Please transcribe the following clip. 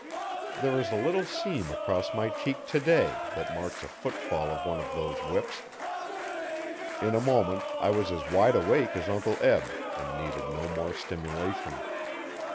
There is a little seam across my cheek today that marks a footfall of one of those whips. In a moment I was as wide awake as Uncle Eb and needed no more stimulation.